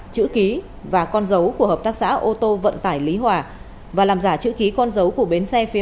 chữ ký và con dấu của hợp tác xã ô tô vận tải lý hòa và làm giả chữ ký con dấu của bến xe phía